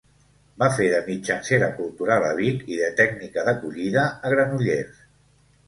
Va fer de mitjancera cultural a Vic i de tècnica d'acollida a Granollers.